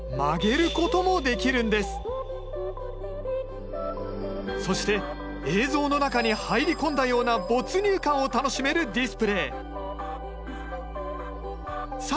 しかもそして映像の中に入り込んだような没入感を楽しめるディスプレー。